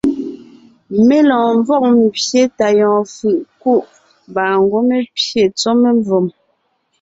Mé lɔɔn ḿvɔg ḿbye tá yɔɔn fʉ̀ʼ ńkuʼ, mbà ńgwɔ́ mé pyé tsɔ́ memvòm.